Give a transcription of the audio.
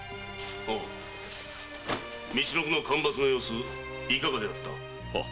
みちのくの干ばつの様子はいかがであった？